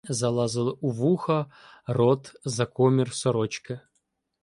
Залазили у вуха, рот, за комір сорочки.